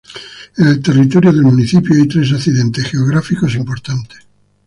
En el territorio del municipio hay tres accidentes geográficos importantes.